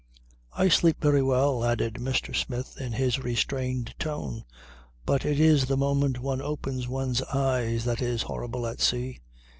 "I sleep very well," added Mr. Smith in his restrained tone. "But it is the moment one opens one's eyes that is horrible at sea.